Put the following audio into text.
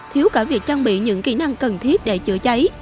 thiếu cả việc trang bị những kỹ năng cần thiết để chữa cháy